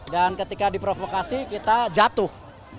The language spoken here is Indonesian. dan ketika diprovokasi kita jatuh